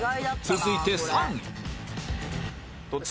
続いて３位